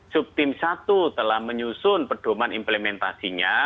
subtim satu telah menyusun pedoman implementasinya